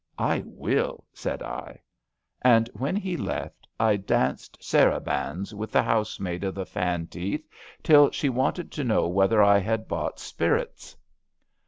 ' *a will," said L And when he left I danced sarabands with the house maid of the fan teeth till she wanted to know whether I had bought *^ spirruts.'